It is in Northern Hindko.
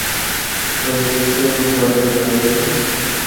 اگر پچھلیاں کوئی سالاں دی گل کراں۔